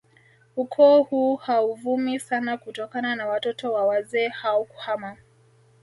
Ukoo huu hauvumi sana kutokana na watoto wa wazee hao kuhama